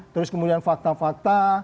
terus kemudian fakta fakta